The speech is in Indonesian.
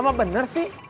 mama bener sih